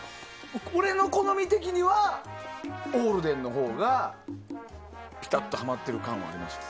俺の好み的にはオールデンのほうがぴたっとハマってる感はありました。